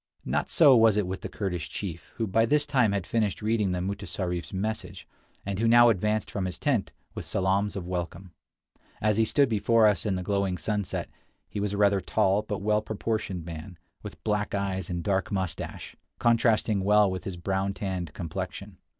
Not so was it with the Kurdish chief, who by this time had finished reading the mutessarif's message, and who now advanced from his tent with salaams of welcome. As he stood before us in the glowing sunset, he was a rather tall, but well proportioned man, with black eyes and dark mustache, contrasting well with his brown tanned complexion.